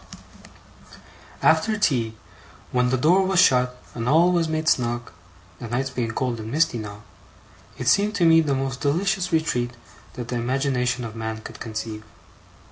After tea, when the door was shut and all was made snug (the nights being cold and misty now), it seemed to me the most delicious retreat that the imagination of man could conceive.